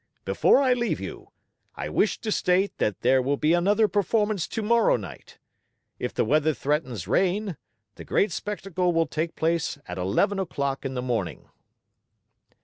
Before I leave you, I wish to state that there will be another performance tomorrow night. If the weather threatens rain, the great spectacle will take place at eleven o'clock in the morning."